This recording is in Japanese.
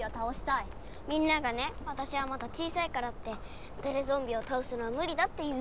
みんながねわたしはまだ小さいからってテレゾンビをたおすのはむ理だって言うの。